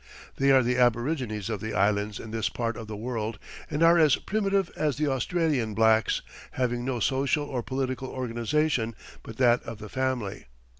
They are the aborigines of the islands in this part of the world, and are as primitive as the Australian blacks, having no social or political organization but that of the family.